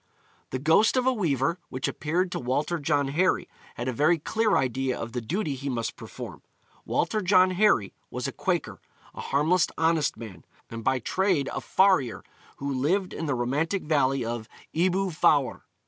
' The ghost of a weaver, which appeared to Walter John Harry, had a very clear idea of the duty he must perform: Walter John Harry was a Quaker, a harmless, honest man, and by trade a farrier, who lived in the romantic valley of Ebwy Fawr.